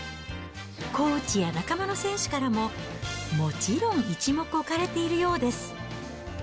コーチや仲間の選手からももちろん、一目置かれているようです。